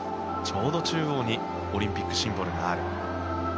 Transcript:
ちょうど中央にオリンピックシンボルがある。